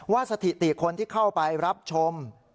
สถิติคนที่เข้าไปรับชม